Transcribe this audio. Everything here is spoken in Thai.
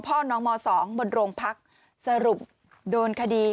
น้องม๒บนโรงพักสรุปโดนคดี